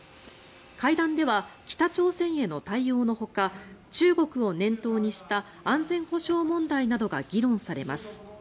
会談では北朝鮮への対応のほか中国を念頭にした安全保障問題などが議論されます。